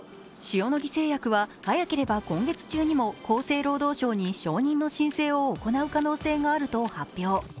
塩野義製薬は早ければ今月中にも厚生労働省に承認の申請を行う可能性があると発表。